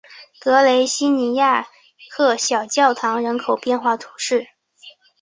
格雷西尼亚克小教堂人口变化图示